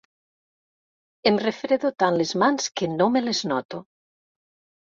Em refredo tant les mans que no me les noto.